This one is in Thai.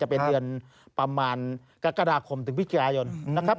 เป็นเดือนประมาณกรกฎาคมถึงพิกายนนะครับ